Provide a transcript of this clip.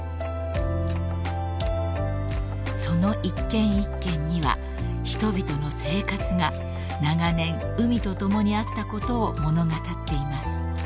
［その一軒一軒には人々の生活が長年海と共にあったことを物語っています］